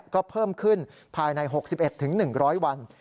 ก็เพิ่มขึ้นภายใน๖๑๑๐๐วัน